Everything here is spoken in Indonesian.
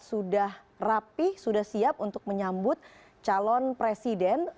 sudah rapi sudah siap untuk menyambut calon presiden